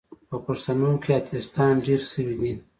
په پښتانو کې اتیستان ډیر سوې دي